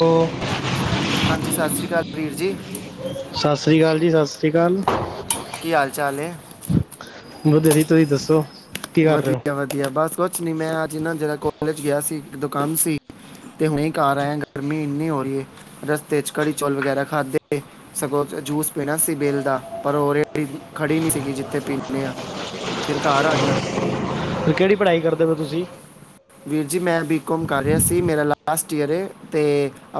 ਤੋ ਹਾਂਜੀ ਸਸ ਸ੍ਰੀ ਕਾਲ ਵੀਰ ਜੀ। ਸਸ ਸ੍ਰੀ ਕਾਲ ਜੀ, ਸਸ ਸ੍ਰੀ ਕਾਲ। ਕੀ ਹਾਲ ਚਾਲ ਏ। ਵਧੀਆ ਜੀ, ਤੁਸੀਂ ਦੱਸੋ। ਕੀ ਕਰ ਰਹੇ ਹੋ ਵਧੀਆ-ਵਧੀਆ ਬਸ ਕੋਛ ਨੀ ਮੈਂ ਅੱਜ ਨਾ ਜਰਾ ਕੋਲਜ ਗਿਆ ਸੀ ਦ ਕਾਮ ਸੀ। ਤੇ ਹੁਣੇ ਹੀ ਕਾਰ ਆਇਆ ਗਰਮੀ ਇੰਨੀ ਹੋ ਰੀ ਏ ਰਸਤੇ ਚ ਕੜੀ ਚੌਲ ਵਗੈਰਾ ਖਾਧੇ। ਸਗੋਂ ਜੂਸ ਪੀਨਾ ਸੀ ਬੇਲ ਦਾ ਪਰ ਰੇੜੀ ਖੜ੍ਹੀ ਨੀ ਸੀਗੀ ਜਿੱਥੇ ਪੀਨੇ ਆ। ਫੇਰ ਕਾਰ ਆ ਗਿਆ। ਤੇ ਕੇੜੀ ਪੜ੍ਹਾਈ ਕਰਦੇ ਪਏ ਤੁਸੀਂ? ਵੀਰ ਜੀ, ਮੈਂ ਬੀਕੌਮ ਕਰ ਰਿਆ ਸੀ ਮੇਰਾ ਲਾਸਟ ਈਅਰ ਏ ਤੇ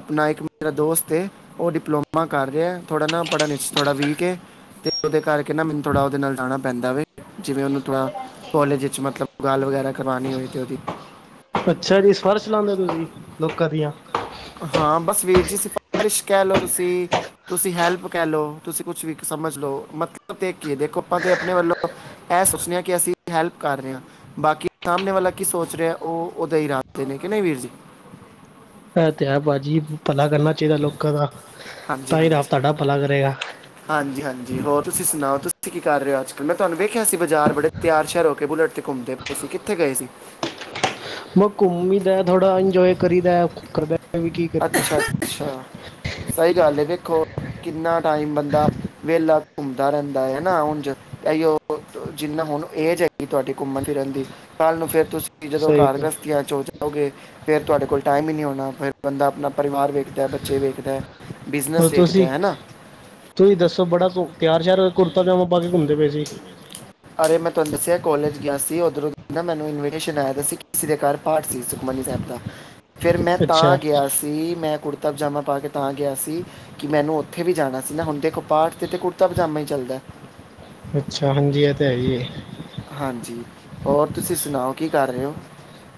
ਆਪਣਾ ਇੱਕ ਮੇਰਾ ਦੋਸਤ ਏ ਓ ਡਿਪਲੋਮਾ ਕਰ ਰਿਆ ਥੋੜ੍ਹਾ ਨਾ ਪੜ੍ਹਨ ਵਿੱਚ ਥੋੜ੍ਹਾ ਵੀਕ ਏ। ਤੇ ਉਦੇ ਕਰਕੇ ਨਾ ਮੈਨੂੰ ਥੋੜਾ ਉਦੇ ਨਾਲ ਜਾਣਾ ਪੈਂਦਾ ਵੈ, ਜਿਵੇਂ ਓਨੂੰ ਥੋੜਾ ਕੋਲੇਜ ਵਿੱਚ ਮਤਲਬ ਗੱਲ ਵਗੈਰਾ ਕਰਵਾਨੀ ਹੋਏ ਤੇ ਓਦੀ। ਅੱਛਾ ਜੀ ਸਪਾਰਸ਼ ਲਾਂਦੇ ਤੁਸੀ ਜੀ ਲੋਕਾਂ ਦੀਆਂ। ਹਾਂ ਬਸ ਹਾ ਵੀਰ ਜੀ ਸਿਫਾਰਸ਼ ਕਹਿ ਲੋ ਤੁਸੀਂ। ਤੁਸੀਂ ਹੈਲਪ ਕਹਿ ਲੋ, ਤੁਸੀਂ ਕੁਛ ਵੀ ਸਮਝ ਲੋ ਮਤਲਬ ਤੇ ਇਕ ਏ ਦੇਖੋ ਆਪਾਂ ਤੇ ਆਪਣੇ ਵੱਲੋ ਐ ਸੋਚਨੇ ਆ ਕਿ ਅਸੀਂ ਹੈਲਪ ਕਰ ਰੇ ਆ। ਬਾਕੀ ਸਾਮਣੇ ਵਾਲਾ ਕੀ ਸੋਚ ਰਿਆ ਉਹ ਉਦੇ ਇਰਾਦੇ ਨੇ ਕਿ ਨਈ ਵੀਰ ਜੀ। ਐ ਤੇ ਹੈ ਭਾਜੀ, ਭਲਾ ਕਰਨਾ ਚਾਹੀਦਾ ਲੋਕਾਂ ਦਾ, ਤਾਂ ਹੀ ਰਬ ਤੁਹਾਡਾ ਭਲਾ ਕਰੇਗਾ। ਹਾਂਜੀ-ਹਾਂਜੀ ਹੋਰ ਤੁਸੀਂ ਸੁਣਾਓ ਤੁਸੀਂ ਕੀ ਕਰ ਰਹੇ ਹੋ ਅੱਜ ਕੱਲ, ਮੈਂ ਤੁਹਾਨੂੰ ਵੇਖਿਆ ਸੀ ਬਾਜ਼ਾਰ ਬੜੇ ਤਿਆਰ ਸ਼ਆਰ ਹੋ ਕੇ ਬੁਲਟ ਤੇ ਘੁੰਮਦੇ ਪਏ ਸੀ, ਕਿੱਥੇ ਗਏ ਸੀ? ਬ ਘੁੰਮੀ ਦਾ ਥੋੜਾ ਇੰਜੋਏ ਕਰੀ ਦਾ ਘਰ ਬੇ [unintelligible] ਵੀ ਕੀ ਕਰੀਏ। ਅੱਛਾ ਅੱਛਾ, ਸਈ ਗੱਲ ਏ ਵੇਖੋ ਕਿੰਨਾ ਟਾਈਮ ਬੰਦਾ ਵੇਲਾ ਘੁੰਮਦਾ ਰਹਿੰਦਾ ਏ ਹਨਾ ਉੰਝ। ਏਇਔ ਜਿੰਨਾ ਹੁਣ ਏਜ ਹੈਗੀ ਤੁਹਾਡੀ ਘੁੰਮਨ ਫਿਰਨ ਦੀ ਕੱਲ ਨੂੰ ਫੇਰ ਤੁਸ ਜਦੋਂ ਸਹੀ ਘਰ ਕਿਹਾ ਗਸਤੀਆਂ ਚ ਜਾਓਗੇ ਫੇਰ ਤੁਹਾਡੇ ਕੋਲ ਟਾਈਮ ਹੀ ਨੀ ਹੋਣਾ ਫੇਰ ਬੰਦਾ ਅਪਨਾ ਪਰਿਵਾਰ ਵੇਖਦਾ ਬੱਚੇ ਵੇਖਦਾ। ਹੋਰ ਬਿਜ਼ਨਸ ਵੇਖਦਾ ਤੁਸੀਂ, ਹੈ ਹੈ ਨਾ ਤੁਸੀਂ ਦੱਸੋ ਬੜਾ ਕੁ ਤਿਆਰ ਸ਼ਿਆਰ ਕੁੜਤਾ ਪਜਾਮਾ ਪਾ ਕੇ ਘੁੰਮਦੇ ਪਏ ਸੀ। ਹ ਅਰੇ ਮੈਂ ਤੁਹਾਨੂੰ ਦੱਸਿਆ ਕੋਲਜ ਗਿਆ ਸੀ ਉਧਰੋਂ ਦੀ ਨਾ ਮੈਨੂੰ ਇਨਵੀਟੇਸ਼ਨ ਆਇਆ ਸੀ ਕਿਸੇ ਦੇ ਘਰ ਪਾਠ ਸੀ ਸੁ ਖਮਨੀ ਸੈਬ ਦਾ ਫਿਰ ਮੈਂ ਅੱਛਾ ਤਾਂ ਗਿਆ ਸੀ ਮੈਂ ਕੁੜਤਾ ਪਜਾਮਾ ਪਾ ਕੇ ਤਾਂ ਗਿਆ ਸੀ। ਕਿ ਮੈਨੂੰ ਉੱਥੇ ਵੀ ਜਾਣਾ ਸੀ ਨਾ ਹੁਣ ਦੇਖੋ ਪਾਠ ਤੇ-ਤੇ ਕੁੜਤਾ ਪਜਾਮਾ ਹੀ ਚੱਲਦਾ। ਅੱਛਾ, ਹਾਂਜੀ ਐ ਤੇ ਹੈ ਹੀ ਏ। ਹਾਂਜੀ ਹੋਰ ਤੁਸੀਂ ਸੁਣਾਓ ਕੀ ਕਰ ਰਏ ਔ?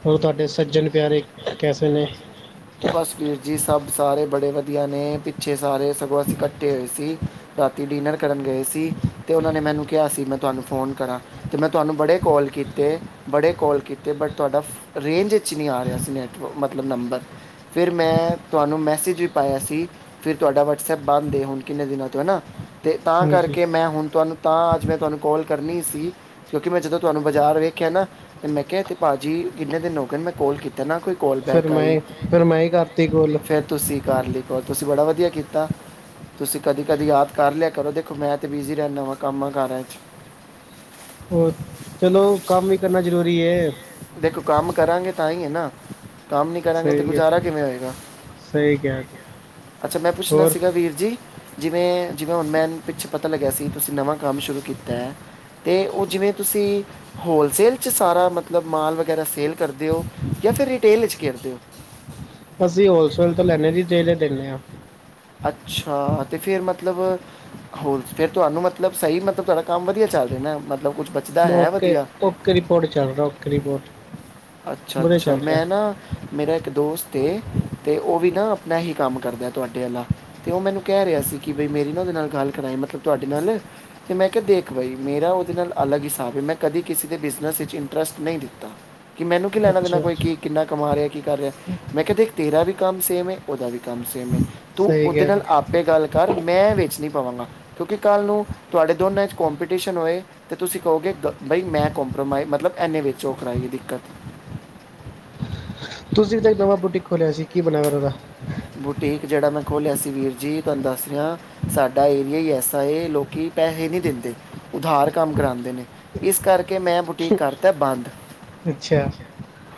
ਹੋਰ ਤੁਹਾਡੇ ਸੱਜਣ ਪਿਆਰੇ ਕੈਸੇ ਨੇ? ਬਸ ਵੀਰ ਜੀ ਸਭ ਸਾਰੇ ਬੜੇ ਵਧੀਆ ਨੇ ਪਿੱਛੇ ਸਾਰੇ ਸਗੋਂ ਅਸੀਂ ਕੱਠੇ ਹੋਏ ਸੀ। ਰਾਤੀ ਡਿਨਰ ਕਰਨ ਗਏ ਸੀ ਤੇ ਉਹਨਾਂ ਨੇ ਮੈਨੂੰ ਕਿਹਾ ਸੀ ਮੈਂ ਤੁਹਾਨੂੰ ਫੋਨ ਕਰਾਂ। ਤੇ ਮੈਂ ਤੁਹਾਨੂੰ ਬੜੇ ਕੋਲ ਕੀਤੇ- ਬੜੇ ਕੋਲ ਕੀਤੇ ਬਟ ਤੁਹਾਡਾ ਰੇਂਜ ਵਿੱਚ ਨਹੀਂ ਆ ਰਿਹਾ ਸੀ ਨੈੱਟਵ ਮਤਲਬ ਨੰਬਰ ਫੇਰ ਮੈਂ ਤੁਹਾਨੂੰ ਮੈਸੇਜ ਵੀ ਪਾਇਆ ਸੀ। ਕੀ ਤੁਹਾਡਾ ਵਟਸਐਪ ਬੰਦ ਦੇ ਹੁਣ ਕਿੰਨੇ ਦਿਨਾਂ ਤੋਂ ਹੈ ਨਾ, ਤੇ ਤਾਂ ਹਾਂਜੀ ਕਰਕੇ ਮੈਂ ਹੁਣ ਤੁਹਾਨੂੰ ਤਾਂ ਅੱਜ ਮੈਂ ਤੁਹਾਨੂੰ ਕੋਲ ਕਰਨੀ ਸੀ। ਕਿਉਂਕਿ ਮੈਂ ਜਦੋਂ ਤੁਹਾਨੂੰ ਬਾਜ਼ਾਰ ਵੇਖਿਆ ਨਾ, ਤੇ ਮੈਂ ਕਿਹਾ ਤੇ ਭਾਜੀ ਕਿੰਨੇ ਦਿਨ ਹੋ ਗਏ ਨਾ ਕੋਲ ਕੀਤਾ ਨਾ ਕੋਈ ਕਾਲ ਫੇਰ ਬੈਕ ਆਈ ਮੈਂ ਫੇਰ ਮੈਂ ਈ ਕਰਤੀ ਕੋਲ। ਫਿਰ ਤੁਸੀਂ ਕਰਲੀ ਕੋਲ ਤੁਸੀਂ ਬੜਾ ਵਧੀਆ ਕੀਤਾ। ਤੁਸੀਂ ਕਦੀ- ਕਦੀ ਯਾਦ ਕਰ ਲਿਆ ਕਰੋ ਦੇਖੋ ਮੈਂ ਤੇ ਬਿਜ਼ੀ ਰਹਨਾ ਵਾਂ ਕੰਮ ਆ ਕਾਰਾਂ ਚ। ਹੋਰ ਚਲੋ ਕੰਮ ਵੀ ਕਰਨਾ ਜ਼ਰੂਰੀ ਐ। ਦੇਖੋ ਕੰਮ ਕਰਾਂਗੇ ਤਾਂ ਹੀ ਐ ਨਾ। ਕੰਮ ਨੀ ਕਰਾਂਗੇ ਤੇ ਸਹੀ ਹੈ ਗੁਜ਼ਾਰਾ ਕਿਵੇਂ ਹੋਏਗਾ? ਸਹੀ ਕਿਹਾ ਜੀ ਅੱਛਾ ਮੈਂ ਪੁੱਛਣਾ ਹੋਰ ਸੀਗਾ ਵੀਰ ਜੀ ਜਿਵੇਂ- ਜਿਵੇਂ ਹੁੱਣ ਮੈਂ ਨ ਪਿੱਛੇ ਪਤਾ ਲੱਗਿਆ ਸੀ ਤੁਸੀਂ ਨਵਾਂ ਕੰਮ ਸ਼ੁਰੂ ਕੀਤਾ ਐ। ਤੇ ਉਹ ਜਿਵੇਂ ਤੁਸੀਂ, ਹੋਲਸੇਲ ਚ ਸਾਰਾ ਮਤ ਲਬ ਮਾਲ ਵਗੈਰਾ ਸੇਲ ਕਰਦੇ ਹੋ, ਯਾ ਫੇਰ ਰਿਟੇਲ ਵਿੱਚ ਕਰਦੇ ਹੋ? ਅਸੀਂ ਹੋਲਸੇਲ ਤੋਂ ਲੈੈਂਨੇ ਜੀ ਰੀਟੇਲ ਵਿੱਚ ਦੇਨੇ ਹਾਂ। ਅੱਛਾ ਤੇ ਫੇਰ ਮਤਲਬ ਹੋਰ ਫੇਰ ਤੁਹਾਨੂੰ ਮਤਲਬ ਸਹੀ ਮਤਲਬ ਤੁਹਾਡਾ ਕੰਮ ਵਧੀਆ ਚੱਲ ਰਿਹਾ ਨਾ ਮਤਲਬ ਕੁਛ ਬ- ਬ ਓਕੇ-ਓਕੇ ਰਿਪੋਰਟ ਚੱਲ ਰਿਹਾ ਓਕੇ ਰਿਪੋਰਟ। ਅੱਛਾ- ਵਧੀਆ ਅੱਛਾ ਚੱਲ ਰਿਹਾ ਮੈਂ ਨਾ ਮੇਰਾ ਇੱਕ ਦੋਸਤ ਏ ਤੇ ਉਹ ਵੀ ਨਾ ਆਪਣਾ ਹੀ ਕੰਮ ਕਰਦਾ ਤੁਹਾਡੇ ਆਲਾ। ਤੇ ਉਹ ਮੈਨੂੰ ਕਹਿ ਰਿਹਾ ਸੀ ਕਿ ਬਈ ਮੇਰੀ ਨਾ ਉਹਦੇ ਨਾਲ ਗੱਲ ਕਰਾਈ ਮਤਲਬ ਤੁਹਾਡੇ ਨਾਲ। ਤੇ ਮੈਂ ਕਿਹਾ ਦੇਖ ਬਾਈ ਮੇਰਾ ਉਹਦੇ ਨਾਲ ਅਲੱਗ ਹਿਸਾਬ ਹੈ ਮੈਂ ਕਦੀ ਕਿਸੇ ਦੇ ਬਿਜ਼ਨਸ ਵਿੱਚ ਇੰਟਰਸਟ ਨਹੀਂ ਲਿਤਾ। ਕਿ ਮੈਨੂੰ ਕੀ ਲੈਣਾ ਦੇਣਾ ਅੱਛਾ ਕੋਈ ਕੀ ਕਿੰਨਾ ਕਮਾ ਰਿਹਾ ਕੀ ਕਰ ਰਿਹਾ ਮੈਂ ਕਿਹਾ ਦੇਖ ਤੇਰਾ ਵੀ ਕੰਮ ਸੇਮ ਹੈ ਉਹਦਾ ਵੀ ਕੰਮ ਸੇਮ ਹੈ। ਤੂੰ ਸਹੀ ਉਹਦੇ ਕਿਹਾ ਜੀ ਨਾਲ ਆਪੇ ਗੱਲ ਕਰ ਮੈਂ ਵਿੱਚ ਨਹੀਂ ਪਵਾਂਗਾ। ਕਿਉਂਕਿ ਕੱਲ੍ਹ ਨੂੰ ਤੁਹਾਡੇ ਦੋਨਾਂ ਵਿੱਚ ਕੋਂਪੀਟੀਸ਼ਨ ਹੋਏ ਤੇ ਤੁਸੀਂ ਕਹੋਗੇ ਬਈ ਕੰਮਪਰੋਮਾਈਜ਼ ਮਤਲਬ ਐਨੇ ਵਿੱਚ ਔ ਕਰਾਈ ਹੈ ਦਿੱਕਤ। ਤੁਸੀਂ ਤੇ ਨਵਾਂ ਬੂਟਿਕ ਖੋਲਿਆ ਸੀ ਕੀ ਬਣਾਇਆ ਫੇਰ ਉਹਦਾ? ਬੁਟੀਕ ਜਿਹੜਾ ਮੈਂ ਖੋਲ੍ਹਿਆ ਸੀ ਵੀਰ ਜੀ ਤੁਹਾਨੂੰ ਦੱਸ ਰਹੀ ਆ ਸਾਡਾ ਏਰੀਆ ਹੀ ਐਸਾ ਹੇ ਲੋਕੀ ਪੈਸੇ ਨਹੀਂ ਦਿੰਦੇ। ਉਧਾਰ ਕੰਮ ਕਰਾਉਂਦੇ ਨੇ ਇਸ ਕਰਕੇ ਮੈਂ ਬੁਟੀਕ ਕਰਤਾ ਐ ਬੰਦ। ਅੱਛਾ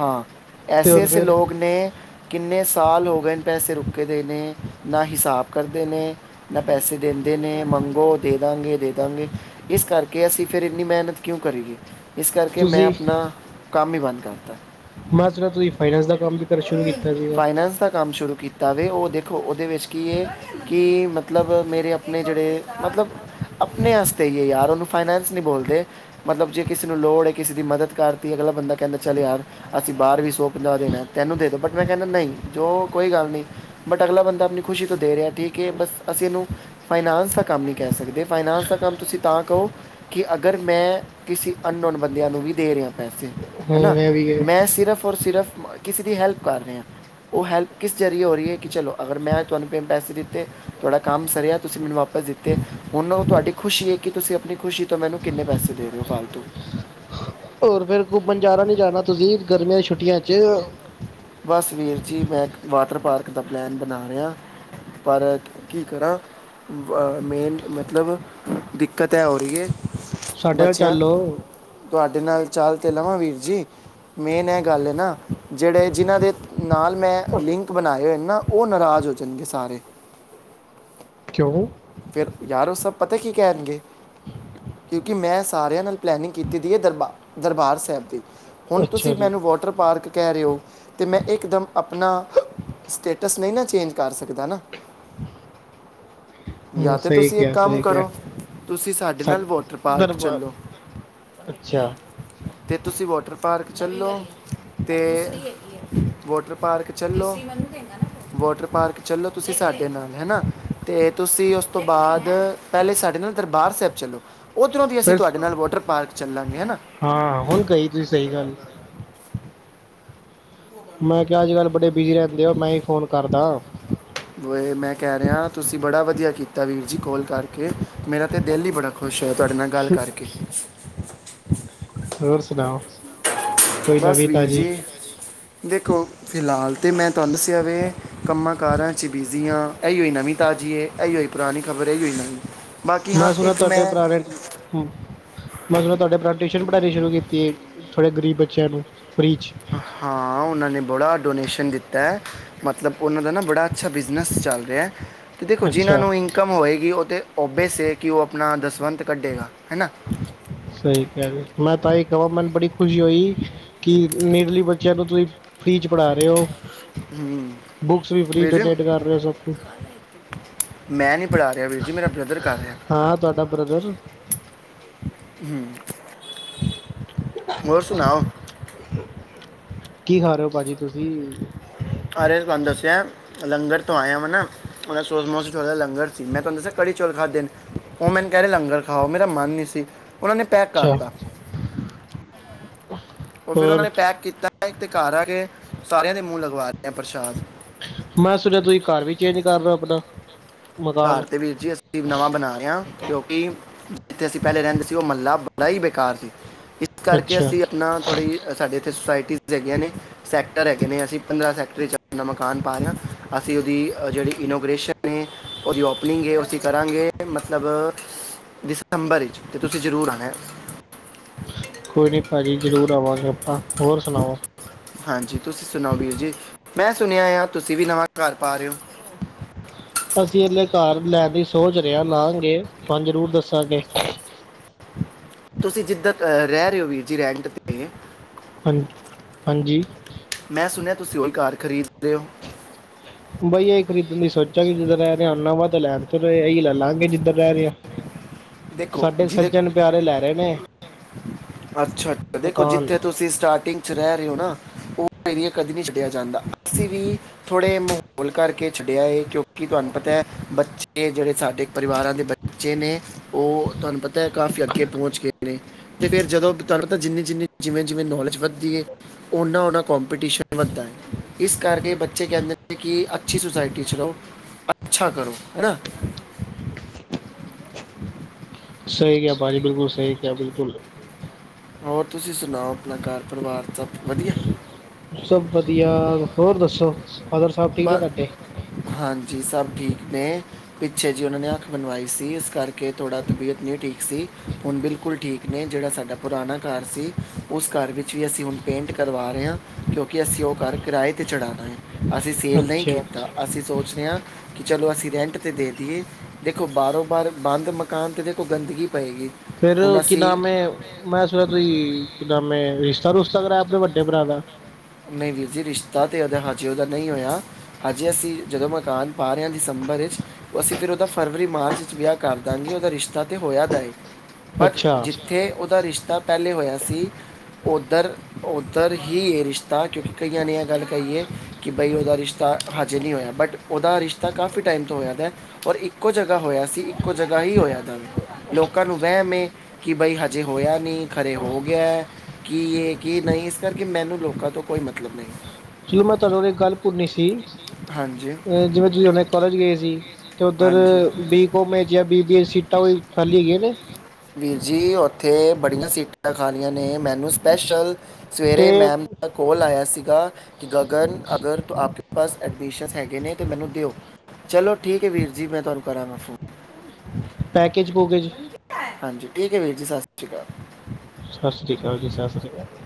ਹਾਂ ਤੇ ਐਸੇ ਹੁਣ ਐਸੇ ਫਿਰ ਲੋਕ ਨੇ ਕਿੰਨੇ ਸਾਲ ਹੋ ਗਏ ਨ ਪੈਸੇ ਰੁਕੇ ਦੇ ਨੇ ਨਾ ਹਿਸਾਬ ਕਰਦੇ ਨੇ ਨਾ ਪੈਸੇ ਦਿੰਦੇ ਨੇ ਮੰਗੋ ਦੇ ਦਾਂਗੇ ਦੇ ਦਾਂਗੇ ਇਸ ਕਰਕੇ ਅਸੀਂ ਫੇਰ ਇੰਨੀ ਮੇਹਨਤ ਕਿਉਂ ਕਰੀਏ। ਇਸ ਕਰਕੇ ਮੈਂ ਤੁਸੀਂ ਆਪਣਾ ਕੰਮ ਹੀ ਬੰਦ ਕਰਤਾ ਹੈ। ਮੈਂ ਸੁਣਿਆ ਤੁਸੀਂ ਫਾਈਨੈਂਸ ਦਾ ਕੰਮ ਵੀ ਕਰ ਸ਼ੁਰੂ ਕੀਤਾ ਸੀਗਾ ਫਾਈਨੈਂਸ ਦਾ ਕੰਮ ਸ਼ੁਰੂ ਕੀਤਾ ਵੇ, ਉਹ ਦੇਖੋ ਉਹਦੇ ਵਿੱਚ ਕੀ ਹੈ ਕਿ ਮਤਲਬ ਮੇਰੇ ਆਪਣੇ ਜਿਹੜੇ ਮਤਲਬ ਆਪਣੇ ਵਾਸਤੇ ਹੀ ਹੈ ਯਾਰ ਉਹਨੂੰ ਫਾਈਨੈਂਸ ਨਹੀਂ ਬੋਲਦੇ। ਮਤਲਬ ਜੇ ਕਿਸੇ ਨੂੰ ਲੋੜ ਹੈ ਕਿਸੀ ਦੀ ਮਦਦ ਕਰਤੀ ਅਗਲਾ ਬੰਦਾ ਕਹਿੰਦਾ ਚੱਲ ਯਾਰ ਅਸੀਂ ਬਾਹਰ ਵੀ ਸੌ ਪੰਜਾਹ ਦੇਣਾ ਤੇ ਐਨੂੰ ਦੇ ਦੋ ਬਟ ਮੈਂ ਕਹਿੰਦਾ ਨਹੀਂ ਜੋ ਕੋਈ ਗੱਲ ਨਹੀਂ ਬਟ ਅਗਲਾ ਬੰਦਾ ਆਪਣੀ ਖੁਸ਼ੀ ਤੋਂ ਦੇ ਰਿਹਾ ਠੀਕ ਹੈ ਬਸ ਅਸੀਂ ਇਹਨੂੰ ਫਾਈਨਾਂਸ ਦਾ ਕੰਮ ਨਹੀਂ ਕਹਿ ਸਕਦੇ ਫਾਈਨਾਂਸ ਦਾ ਕੰਮ ਤੁਸੀਂ ਤਾਂ ਕਹੋ ਕਿ ਅਗਰ ਮੈਂ ਕਿਸੇ ਅਨਨੋਨ ਬੰਦਿਆਂ ਨੂੰ ਵੀ ਦੇ ਰਿਹਾ ਪੈਸੇ। ਹੂੰ ਹਨਾ ਇਹ ਵੀ ਹੈ ਮੈਂ ਸਿਰਫ ਔਰ ਸਿਰਫ ਕਿਸੀ ਦੀ ਹੈਲਪ ਕਰ ਰਿਆਂ ਓ ਹੈਲਪ ਕਿਸ ਜ਼ਰੀਏ ਹੋ ਰਈ ਏ ਕਿ ਚਲੋ ਅਗਰ ਮੈਂ ਤੁਹਾਨੂੰ ਪੇੈ ਪੈੇਸੇ ਦਿੱਤੇ ਤੁਹਾਡਾ ਕੰਮ ਸਰਿਆ ਤੁਸੀਂ ਮੈਨੂੰ ਵਾਪਸ ਦਿੱਤੇ। ਹੁਣ ਓ ਤੁਹਾਡੀ ਖੁਸ਼ੀ ਏ ਕਿ ਤੁਸੀਂ ਆਪਣੀ ਖੁਸ਼ੀ ਤੋਂ ਮੈਨੂੰ ਕਿੰਨੇ ਪੈਸੇ ਦੇ ਰਏ ਹੋ ਫਾਲਤੂ ਹੋਰ ਫੇਰ ਘੁੰਮਨ ਜਾਣਾ ਨੀ ਜਾਣਾ ਤੁਸੀ ਗਰਮੀਆਂ ਛੁੱਟੀਆਂ 'ਚ ਬਸ ਵੀਰ ਜੀ ਮੈਂ ਇੱਕ ਵਾਟਰ ਪਾਰਕ ਦਾ ਪਲੈਨ ਬਣਾ ਰਿਆ। ਪਰ ਕੀ-ਕੀ ਕਰਾਂ। ਮੇਨ ਮਤਲਬ ਦਿੱਕਤ ਐ ਹੋ ਰਈ ਐ। ਸਾਡੇ ਨਾਲ ਬੱਚਿਆਂ ਚੱਲੋ ਤੁਹਾਡੇ ਨਾਲ ਚੱਲ ਤੇ ਲਵਾਂ ਵੀਰ ਜੀ ਮੇਨ ਐ ਗੱਲ ਏ ਨਾ ਜੇੜੇ ਜਿਨ੍ਹਾਂ ਦੇ ਨਾਲ ਮੈਂ ਲਿੰਕ ਬਣਾਏ ਹੋਏ ਨਾ ਓ ਨਾਰਾਜ਼ ਹੋ ਜਾਣਗੇ ਸਾਰੇ ਕਿਉ ਫਿਰ ਯਾਰ ਓ ਸਭ ਪਤਾ ਕੀ ਕੈਂਣਗੇ। ਕਿਉਂਕਿ ਮੈਂ ਸਾਰਿਆਂ ਨਾਲ ਪਲੈਨਿਗ ਕੀਤੀ ਦੀ ਹੈ ਦਰਬਾ ਦਰਬਾਰ ਸਾਹਿਬ ਦੀ ਹੁਣ ਅੱਛਾ ਤੁਸੀਂ ਜੀ ਮੈਨੂੰ ਵੋਟਰ ਪਾਰਕ ਕੈ ਰਏ ਓ। ਤੇ ਮੈਂ ਇਕ ਦਮ ਆਪਣਾ ਸਟੇਟਸ ਨਈ ਨਾ ਚੇਂਜ ਕਰ ਸਕਦਾ ਨਾ। ਹਾਂ ਜਾਂ ਤਾਂ ਸਹੀ ਤੁਸੀਂ ਇੱਕ ਕਿਹਾ ਕੰਮ ਸਹੀ ਕਿਹਾ ਕਰੋ ਤੁਸੀਂ ਸਾਡੇ ਸਾ ਨਾਲ ਵੋਟਰ ਪਾਰਕ ਦਰਬਾਰ ਚੱਲੋ। ਅੱਛਾ ਤੇ ਤੁਸੀਂ ਵਾਟਰ ਪਾਰਕ ਚੱਲੋ। ਤੇ ਵਾਟਰ ਪਾਰਕ ਚੱਲੋ। ਵਾਟਰ ਪਾਰਕ ਚਲੋ ਤੁਸੀਂ ਸਾਡੇ ਨਾਲ ਹਨਾ ਤੇ ਤੁਸੀਂ ਉਸ ਤੋਂ ਬਾਦ ਪੈਲੇ ਸਾਡੇ ਨਾਲ ਦਰਬਾਰ ਸਾਹਿਬ ਚੱਲੋ। ਉੱਧਰੋਂ ਦੀ ਅਸੀਂ ਫਿਰ ਸ ਤੁਹਾਡੇ ਨਾਲ ਵਾਟਰ ਪਾਰਕ ਚੱਲਾਂਗੇ ਐ ਨਾ। ਹਾਂ ਹੁਣ ਕਈ ਜੇ ਸਈ ਗੱਲ ਮੈਂ ਕਿਆ ਅੱਜ ਕੱਲ ਬੜੇ ਬਿਜੀ ਰੈਂਦੇ ਓ ਮੈਂ ਈ ਫੋਨ ਕਰਦਾ। ਵੈਹੇ ਮੈਂ ਕੈ ਰਿਆ ਤੁਸੀਂ ਬੜਾ ਵਧੀਆ ਕੀਤਾ ਵੀਰ ਜੀ ਕਾੱਲ ਕਰਕੇ ਮੇਰਾ ਤਾਂ ਦਿਲ ਈ ਬੜਾ ਖੁਸ਼ ਹੋਇਆ ਤੁਹਾਡੇ ਨਾਲ ਗੱਲ ਕਰਕੇ ਹੋਰ ਸੁਣਾਓ। ਕੋਈ ਬਸ ਨਵੀਂ ਵੀਰ ਤਾਜੀ ਜੀ। ਦੇਖੋ ਫਿਲਹਾਲ ਤਾਂ ਮੈਂ ਤੁਹਾਨੂੰ ਦੱਸਿਆ ਵੇ ਕੰਮਾਂ ਕਾਰਾਂ 'ਚ ਬਿਜ਼ੀ ਹਾਂ ਇਹੀ ਹੋਈ ਨਵੀਂ ਤਾਜ਼ੀ ਏ। ਇਹੀਉ ਪੁਰਾਣੀ ਖਬਰ ਇਹੀਉ ਨਵੀਂ ਬਾਕੀ ਹਾਂ ਮੈਂ ਸੁਣਿਆ ਇੱਕ ਤੁਹਾਡੇ ਮੈਂ ਭਰਾ ਨੇ ਮੈਂ ਤੁਹਾਡੇ ਭਰਾ ਟਿਊਸ਼ਨ ਪੜ੍ਹਾਣੀ ਸ਼ੁਰੂ ਕੀਤੀ ਥੋੜੇ ਗਰੀਬ ਬੱਚਿਆਂ ਨੂੰ ਫਰੀ 'ਚ ਹਾਂ ਉਨਾਂ ਨੇ ਬੜਾ ਡੋਨੇਸ਼ਨ ਦਿੱਤਾ। ਮਤਲਬ ਉਨਾਂ ਦਾ ਨਾ ਬੜਾ ਅੱਛਾ ਬਿਜ਼ਨਸ ਚੱਲ ਰਿਆ। ਅਤੇ ਦੇਖੋ ਜਿਨ੍ਹਾਂ ਅੱਛਾ ਨੂੰ ਇਨਕਮ ਹੋਏਗੀ ਓ ਤਾਂ ਓਬੇਸ ਐ ਕਿ ਓ ਆਪਣਾ ਦਸਵੰਤ ਕੱਢੇਗਾ ਹਨਾ। ਸਈ ਕੈ ਰਏ ਓ ਮੈਂ ਤਾਂਹੀ ਕਵਾਂ ਮੈਨੂੰ ਬੜੀ ਖੁਸ਼ੀ ਹੋਈ। ਕਿ ਨੀਡਲੀ ਬੱਚਿਆਂ ਨੂੰ ਤੁਸੀਂ ਫਰੀ 'ਚ ਪੜ੍ਹਾ ਰਏ ਓ। ਹੂੰ ਬੁਕਸ ਵੀ ਫੀ ਵੀਰ ਜੀ ਡੋਨੇਟ ਕਰ ਰਏ ਓ ਸਭ ਕੁਛ ਮੈਂ ਨਈ ਪੜ੍ਹਾ ਰਿਆ ਵੀਰ ਜੀ ਮੇਰਾ ਬ੍ਰਦਰ ਕਰ ਰਿਆ। ਹਾਂ ਤੁਹਾਡਾ ਬ੍ਰਦਰ ਹੂੰ ਹੋਰ ਸੁਣਾਓ। ਕੀ ਖਾ ਰਏ ਓ ਭਾਜੀ ਤੁਸੀ ਖਾਰੇ ਤੁਹਾਨੂੰ ਦੱਸਿਆ ਲੰਗਰ ਤੋਂ ਆਇਆ ਵਾ ਨਾ। [unintelligible] ਲੰਗਰ ਸੀ ਮੈਂ ਤੁਹਾਨੂੰ ਦੱਸਿਆ ਕੜੀ ਚੋਲ ਖਾਧੇ ਨੇ। ਓ ਮੈਨੂੰ ਕੈ ਰਏ ਲੰਗਰ ਖਾਓ ਮੇਰਾ ਮਨ ਨਈ ਸੀ ਉਨਾਂ ਨੇ ਪੈਕ ਅੱਛਾ ਕਰਤਾ। ਓ ਫਿਰ ਉਨਾਂ ਹੋਰ ਨੇ ਪੈਕ ਕੀਤਾ ਇੱਕ ਤੇ ਘਰ ਆ ਕੇ ਸਾਰਿਆਂ ਦੇ ਮੂੰਹ ਲਗਵਾ ਦਿਤਾ ਪ੍ਰਸ਼ਾਦ ਮੈਂ ਸੁਣਿਆ ਤੁਸੀਂ ਘਰ ਵੀ ਚੇਂਜ ਕਰ ਰਏ ਓ ਆਪਣਾ ਮਕਾਨ ਘਰ ਤੇ ਵੀਰ ਜੀ ਅਸੀਂ ਵੀ ਨਵਾਂ ਬਣਾ ਰਹੇ ਆਂ ਕਿਉਂਕਿ ਜਿੱਥੇ ਅਸੀਂ ਪਹਿਲੇ ਰਹਿੰਦੇ ਸੀ ਉਹ ਮਹੱਲਾ ਬੜਾ ਹੀ ਬੇਕਾਰ ਸੀ ਇਸ ਕਰਕੇ ਅੱਛਾ ਅਸੀਂ ਆਪਣਾ ਥੋੜ੍ਹੀ ਸਾਡੇ ਇੱਥੇ ਸੁਸਾਇਟੀਜ਼ ਹੈਗੀਆਂ ਨੇ ਸੈਕਟਰ ਹੈਗੇ ਨੇ ਅਸੀਂ ਪੰਦਰਾਂ ਸੈਕਟਰ 'ਚ ਆਪਣਾ ਮਕਾਨ ਪਾ ਰਹੇ ਹਾਂ ਅਸੀਂ ਉਹਦੀ ਜੇਹੜੀ ਇਨੋਗ੍ਰੇਸ਼ਨ ਹੈ ਉਹਦੀ ਓਪਨਿੰਗ ਏ ਔ ਅਸੀ ਕਰਾਂਗੇ ਮਤਲਬ ਦਸੰਬਰ ਇਚ ਤੇ ਤੁਸੀਂ ਜ਼ਰੂਰ ਆਉਣਾ ਕੋਈ ਨਹੀਂ ਭਾਜੀ ਜ਼ਰੂਰ ਆਵਾਂਗੇ ਆਪਾਂ ਹੋਰ ਸੁਣਾਓ ਹਾਂਜੀ ਤੁਸੀਂ ਸੁਣਾਓ ਵੀਰ ਜੀ ਮੈਂ ਸੁਣਿਆ ਆ ਤੁਸੀਂ ਵੀ ਨਵਾਂ ਕਰ ਪਾ ਰੇ ਓ ਅਸੀਂ ਹਲੇ ਕੱਰ ਲੈਣ ਦੀ ਸੋਚ ਰੇਆ ਲਾਂਗੇ ਤੁਹਾਨੂੰ ਜ਼ਰੂਰ ਦੱਸਾਂਗੇ ਤੁਸੀਂ ਜਿੱਦਾਂ ਰਹਿ ਰੇ ਓ ਵੀਰ ਜੀ ਰੈਂਟ 'ਤੇ ਹਾਂ ਹਾਂਜੀ ਮੈਂ ਸੁਣਿਆ ਤੁਸੀਂ ਹੁਣ ਘਾਰ ਖਰੀਦ ਰੇ ਓ ਬਈ ਇਹ ਖਰੀਦਣ ਦੀ ਸੋਚਾਂਗੇ ਜਿੱਧਰ ਰਹਿ ਰਹਾ ਓਨਾ ਵਅ ਤਾਂ ਲੈਣ ਤੋਂ ਰਹੇ ਇਹੀ ਲੈ ਲਵਾਂਗੇ ਜਿੱਧਰ ਰਹਿ ਰੇ ਆ ਦੇਖੋ ਸਾਡੇ ਜਿਹਦੇ ਸੱਜਣ ਪਿਆਰੇ ਲੈ ਰੈ ਨੇ ਅੱਛਾ, ਅੱਛਾ ਦੇਖੋ ਮਕਾਨ ਜਿੱਥੇ ਤੁਸੀਂ ਸਟਾਰਟਿੰਗ ਜਿਥੇ ਰਹ ਰਹੇ ਹੋ ਨਾ ਉਹ ਏਰੀਆ ਕਦੇ ਨਹੀਂ ਛੱਡਿਆ ਜਾਂਦਾ ਅਸੀਂ ਵੀ ਥੋੜੇ ਮੁ ਹੁਣ ਕਰਕੇ ਛੱਡਿਆ ਹੈ ਕਿਉਂਕਿ ਤੁਹਾਨੂੰ ਪਤਾ ਬੱਚੇ ਜਿਹੜੇ ਸਾਡੇ ਪਰਿਵਾਰਾਂ ਦੇ ਬੱਚੇ ਨੇ ਉਹ ਤੁਆਨੂੰ ਪਤਾ ਹੈ ਕਾਫੀ ਅੱਗੇ ਪਹੁੰਚ ਗਏ ਨੇ ਤੇ ਫੇਰ ਜਦੋਂ ਤ ਤਾਂ ਜਿੰਨੀ ਜਿੰਨੀ ਜਿਵੇਂ ਜਿਵੇਂ ਨੌਲੇਜ ਵੱਧਦੀ ਏ ਓਨਾ ਓਨਾ ਕੋਪੀਟੀਸ਼ਨ ਵੱਧਦਾ ਐ ਇਸ ਕਰਕੇ ਬੱਚੇ ਕਹਿੰਦੇ ਨੇ ਕਿ ਅੱਛੀ ਸੋਸਾਇਟੀ ਚ ਰੋ ਅੱਛਾ ਕਰੋ ਹੈਨਾ ਸਈ ਕਿਆ ਭਾਜੀ ਬਿਲਕੁਲ ਸਹੀ ਕੇਹਾ ਬਿਲਕੁਲ ਹੋਰ ਤੁਸੀਂ ਸੁਣਾਓ ਆਪਣਾ ਘਾਰ ਪਰਿਵਾਰ ਸਭ ਵਧੀਆ ਸਭ ਵਧੀਆ, ਹੋਰ ਦੱਸੋ ਫਾਦਰ ਸਾਬ ਠੀਕ ਨੇ ਬਸ ਤੁਆਡੇ? ਹਾਂਜੀ ਸਭ ਠੀਕ ਨੇ ਪਿੱਛੇ ਜੇ ਉਹਨਾਂ ਨੇ ਅੱਖ ਬਣਵਾਈ ਸੀ ਇਸ ਕਰਕੇ ਥੋੜਾ ਤਬੀਅਤ ਨੀਂ ਠੀਕ ਸੀ ਹੁਣ ਬਿਲਕੁਲ ਠੀਕ ਕਿ ਨੈ, ਜਿਹੜਾ ਸਾਡਾ ਪੁਰਾਣਾ ਘਾਰ ਸੀ ਉਸ ਘਾਰ ਵਿੱਚ ਵੀ ਅਸੀਂ ਹੁਣ ਪੇਂਟ ਕਰਵਾ ਰੇ ਆ ਕਿਉਂਕਿ ਅਸੀਂ ਉਹ ਘਾਰ ਕਰਾਏ 'ਤੇ ਚੜ੍ਹਾਣਾ ਐ। ਅਸੀਂ ਸੇਲ ਨਈ ਅੱਛਾ ਕੀਤਾ ਅਸੀਂ ਸੋਚ ਰਹਿ ਆ ਕਿ ਚਲੋ ਅਸੀਂ ਰੈਂਟ ਤੇ ਦੇ ਦੀਏ ਦੇਖੋ ਬਾਰੋਂ -ਬਾਰ ਬੰਦ ਮਕਾਨ ਤੇ ਦੇਖੋ ਗੰਦਗੀ ਪਏਗੀ ਫੇਰ ਹੁਣ ਕੀ ਅਸੀਂ ਨਾਮ ਏ ਮੈਂ ਸੁਣਿਆ ਕੀ, ਕਿ ਨਾਮ ਏ ਰਿਸ਼ਤਾ-ਰੁਸ਼ਤਾ ਕਰਾਇਆ ਆਪਣੇ ਵੱਡੇ ਭਰਾ ਦਾ? ਨਈ ਵੀਰ ਜੀ ਰਿਸ਼ਤਾ ਤੇ ਉਹਦਾ ਹਜੇ ਤਾ ਨਈ ਹੋਇਆ ਹਜੇ ਅਸੀਂ ਜਦੋਂ ਮਕਾਨ ਪਾ ਰਹਿ ਆ ਦਸੰਬਰ ਚ ਅਸੀਂ ਫੇਰ ਉਹਦਾ ਫਰਵਰੀ-ਮਾਰਚ ਵਿੱਚ ਵਿਆਹ ਕਰ ਦਾਂਗੇ ਉਹਦਾ ਰਿਸ਼ਤਾ ਤੇ ਹੋਇਆ ਦਿਆ ਏ। ਅੱਛਾ ਉੱਥੇ ਉਹਦਾ ਰਿਸ਼ਤਾ ਪਹਿਲੇ ਹੋਇਆ ਸੀ ਉੱਧਰ- ਉੱਧਰ ਹੀ ਏ ਰਿਸ਼ਤਾ ਤਾਂ ਕਿਉਂਕਿ ਕਈਆਂ ਨੇ ਐ ਗੱਲ ਕਈਏ ਕਿ ਬਈ ਉਹਦਾ ਰਿਸ਼ਤਾ ਹਜੇ ਨੀਂ ਹੋਇਆ ਬਟ ਉਹਦਾ ਰਿਸ਼ਤਾ ਕਾਫੀ ਟਾਈਮ ਤੋਂ ਹੋਇਆ ਪਿਆ। ਔਰ ਇੱਕੋ ਜਗ੍ਹਾ ਹੋਇਆ ਸੀ ਇੱਕੋ ਜਗ੍ਹਾ ਹੀ ਹੋਇਆ ਦਾਵੇ ਲੋਕਾਂ ਨੂੰ ਵਹਿਮ ਏ ਕਿ ਬਈ ਹਜੇ ਹੋਇਆ ਨੀਂ ਖਰੇ ਹੋ ਗਿਆ ਕੀ ਏ ਕੀ ਨਈ ਇਸ ਕਰਕੇ ਮੈਨੂੰ ਲੋਕਾਂ ਤੋਂ ਕੋਈ ਮਤਲਬ ਨਈ ਚਲੋ ਮੈਂ ਤਾਨੂੰ ਇਕ ਗੱਲ ਭੂਰਨੀ ਸੀ ਹਾਂਜੀ ਅਹ ਜਿਵੇਂ- ਜਿਵੇ ਕੋਲਜ ਗਏ ਸੀ ਤੇ ਉੱਧਰ ਹਾਂਜੀ ਬੀਕੋਮ- ਬੀਬੀ ਸੀਟਾਂ ਵੀ ਖਾਲੀ ਹੈਗੀ ਆ ਨੇ? ਵੀਰ ਜੀ ਉੱਥੇ ਬੜੀਆਂ ਸੀਟਾਂ ਖਾਲੀਆਂ ਨੇ ਮੈਨੂੰ ਸਪੈਸ਼ਲ ਸਵੇਰੇ ਤੇ ਮੈਮ ਦਾ ਕੋਲ ਆਇਆ ਸੀਗਾ ਕਿ ਗਗਨ ਅਗਰ ਤੋ ਆਪਕੇ ਪਾਸ ਐਡਮਿਸ਼ਨ ਹੈਗੇ ਨੇ ਤੇ ਮੈਨੂੰ ਦੇਓ। ਚਲੋ ਠੀਕ ਏ ਵੀਰ ਜੀ ਮੈਂ ਤੁਆਨੂੰ ਕਰਾਂਗਾ ਫੋਨ। ਪੈਕੇਜ-ਪੁਕੈਜ ਹਾਂਜੀ ਠੀਕ ਏ ਵੀਰ ਜੀ ਸਤਿ ਸ੍ਰੀ ਕਾਲ ਸਤਿ ਸ੍ਰੀ ਕਾਲ ਜੀ ਸਤਿ ਸ੍ਰੀ ਕਾਲ